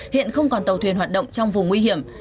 hiện không còn tàu thuyền hoạt động trong vùng nguy hiểm